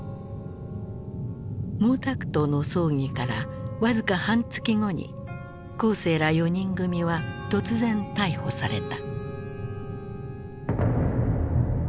毛沢東の葬儀から僅か半月後に江青ら四人組は突然逮捕された。